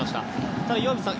ただ、岩渕さん